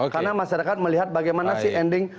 karena masyarakat melihat bagaimana sih ending